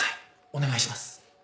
お願いします。